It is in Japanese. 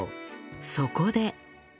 そこで